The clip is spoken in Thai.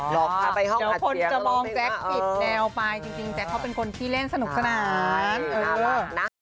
เดี๋ยวคนจะมองแจ๊คปิดแนวไปจริงแจ๊คเขาเป็นคนขี้เล่นสนุกสนานน่ารักนะ